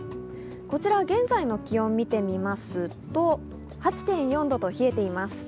こちら現在の気温を見てみますと、８．４度と冷えています。